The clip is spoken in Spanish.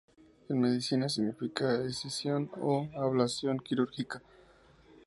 En medicina significa 'escisión' o 'ablación quirúrgica'.